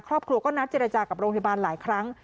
ครอบครัวก็นัดเจรจากับโรงพยาบาลหลายครั้ง